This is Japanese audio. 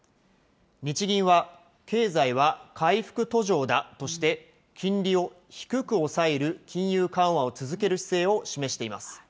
日銀は、経済は回復途上だとして、金利を低く抑える金融緩和を続ける姿勢を示しています。